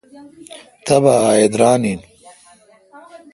تبا اہ ادران این۔